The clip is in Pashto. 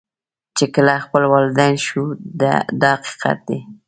چې کله خپله والدین شو دا حقیقت دی.